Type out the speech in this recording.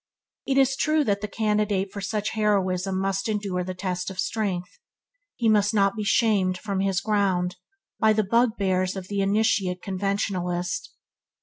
It is true that the candidate for such heroism must endure the test of strength. He must not be shamed from his ground by the bugbears of an initiate conventionalist.